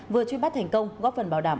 vừa truy bắt thành công góp phần bảo đảm